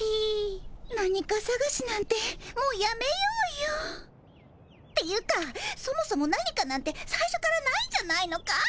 何かさがしなんてもうやめようよっていうかそもそも何かなんてさいしょからないんじゃないのかい。